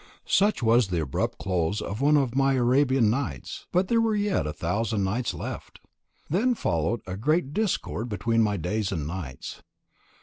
Such was the abrupt close of one of my Arabian Nights; but there were yet a thousand nights left. Then followed a great discord between my days and nights.